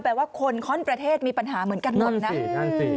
ว่าคนข้อนประเทศมีปัญหาเหมือนกันหมดนะ